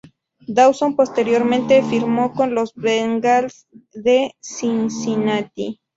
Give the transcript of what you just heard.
Dawson posteriormente firmó con los Bengals de Cincinnati.